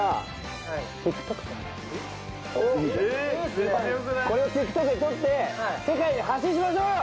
完全にあのさーこれをＴｉｋＴｏｋに撮って世界に発信しましょうよ！